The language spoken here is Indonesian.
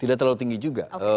tidak terlalu tinggi juga